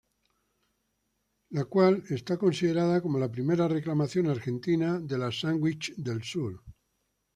La cual es considerada como la primera reclamación argentina de las Sandwich del Sur.